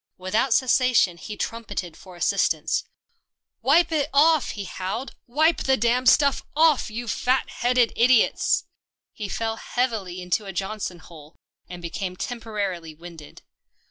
Without cessation he trumpeted for assistance. "Wipe it off," he howled. "Wipe the 160 THE PEPNOTISED MILK damn stuff off, you fatheaded idiots." He fell heavily into a Johnson hole, and became temporarily winded.